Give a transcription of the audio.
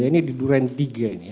ini di durian tiga ini ya